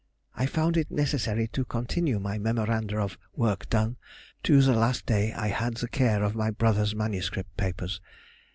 I found it necessary to continue my memoranda of "work done" to the last day I had the care of my brother's MS. papers.